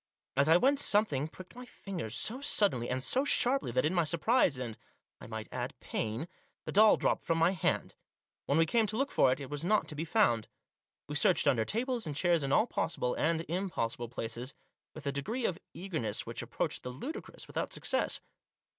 As I went something pricked my fingers so suddenly, and so sharply, that in my surprise and, I might add, pain, the doll dropped from my hand. When we came to look for it it was not to be found. We searched under tables and chairs in all possible and impossible places, with a degree of eagerness which approached the ludicrous, without success.